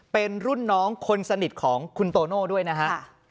เป็นรุ่นน้องคนสนิทของคุณโตโน่ด้วยนะฮะ